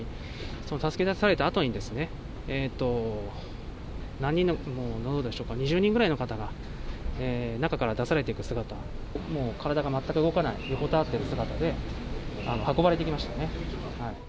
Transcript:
その助け出されたあとに、何人の、何人でしょうか、２０人ぐらいの方が、中から出されていく姿、もう体が全く動かない、横たわっている姿が運ばれていきましたね。